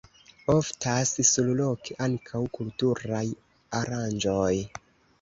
Oftas surloke ankaŭ kulturaj aranĝoj.